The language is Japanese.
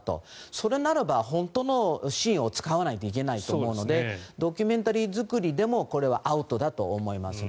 それならば本当のシーンを使わないといけないと思うのでドキュメンタリー作りでもこれはアウトだと思いますね。